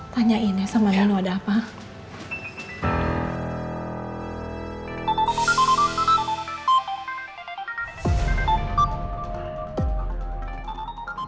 tanyain ya sama yang ada apa